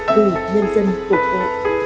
vì nhân dân phục vụ